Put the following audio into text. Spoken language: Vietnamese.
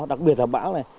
đặc biệt là bão này